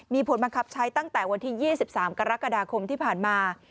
มีผลบังคับใช้ตั้งแต่วันที่๒๓กรกฎาคมที่ผ่านมา